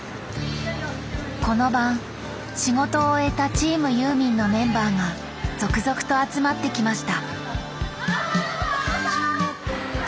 この晩仕事を終えたチームユーミンのメンバーが続々と集まってきました